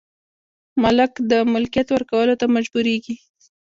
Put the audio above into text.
مالک د ملکیت ورکولو ته مجبوریږي.